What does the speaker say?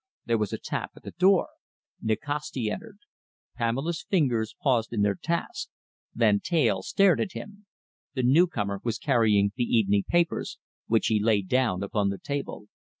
There was a tap at the door. Nikasti entered. Pamela's fingers paused in their task. Van Teyl stared at him. The newcomer was carrying the evening papers, which he laid down upon the table.